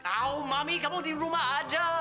tahu mami kamu di rumah aja